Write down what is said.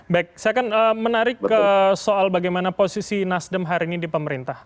baik saya akan menarik ke soal bagaimana posisi nasdem hari ini di pemerintah